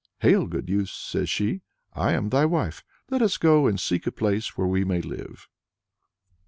"Hail, good youth!" says she. "I am thy wife; let us go and seek a place where we may live."